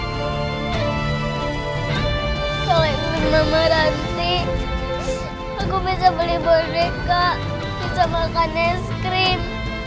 kalau ibu mau maranti aku bisa beli bodega bisa makan es krim